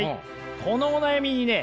このお悩みにね